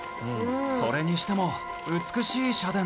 それにしても美しい社殿ですね。